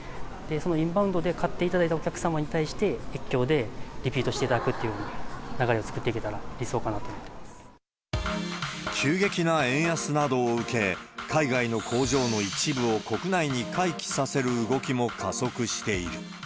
そのインバウンドで買っていただいたお客様に対して、越境でリピートしていただくっていう流れを作っていけたら理想か急激な円安などを受け、海外の工場の一部を国内に回帰させる動きも加速している。